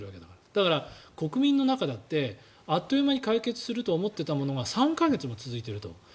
だから、国民の中だってあっという間に解決すると思っていたものが３か月も続いていると。